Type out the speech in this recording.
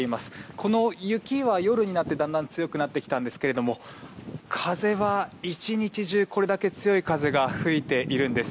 この雪は、夜になってだんだん強くなってきたんですが風は一日中強い風が吹いているんです。